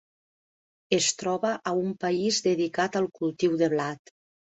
Es troba a un país dedicat al cultiu de blat.